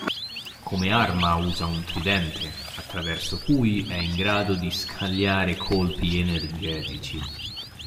Come arma usa un tridente, attraverso cui è in grado di scagliare colpi energetici.